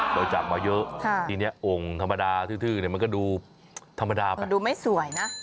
เราจับมาเยอะทีนี้องค์ธรรมดาทื้อเนี่ยมันก็ดูธรรมดามันดูไม่สวยนะ